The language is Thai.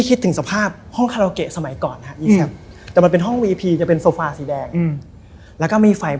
ครับผมพี่แจ๊ค